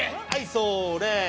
はい、それ！